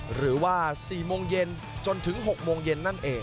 หรือว่า๔โมงเย็นจนถึง๖โมงเย็นนั่นเอง